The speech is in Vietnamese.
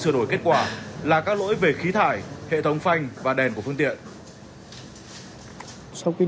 sửa đổi kết quả là các lỗi về khí thải hệ thống phanh và đèn của phương tiện